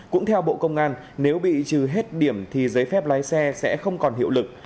cũng theo bộ công an nếu bị trừ hết điểm thì giấy phép lái xe sẽ không còn hiệu lực